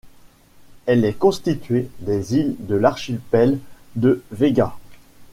Elle est constituée des îles de l'archipel de Vega.